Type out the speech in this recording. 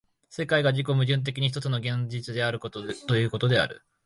世界が自己矛盾的に一つの現在であるということができる。